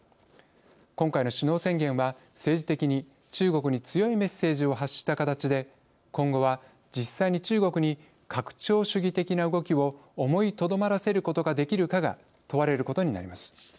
今回の首脳宣言は政治的に中国に強いメッセージを発した形で今後は実際に中国に拡張主義的な動きを思いとどまらせることができるかが問われることになります。